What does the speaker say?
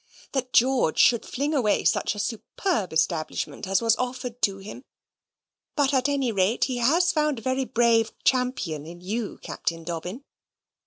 that George should fling away such a superb establishment as was offered to him but at any rate he has found a very brave champion in you, Captain Dobbin.